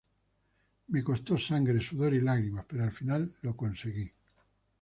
Me costó sangre, sudor y lágrimas pero al final lo conseguí